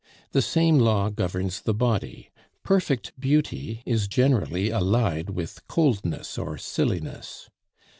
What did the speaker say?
The same law governs the body; perfect beauty is generally allied with coldness or silliness.